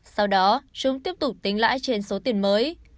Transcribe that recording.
sau đó chúng tiếp tục tính lãi trên số tiền mới